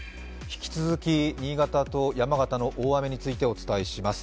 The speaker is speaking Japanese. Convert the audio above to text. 引き続き新潟と山形の大雨についてお伝えします。